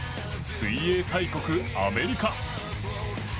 水泳大国アメリカ。